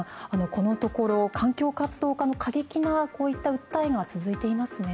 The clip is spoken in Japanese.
このところ環境活動家の過激なこういった訴えが続いていますね。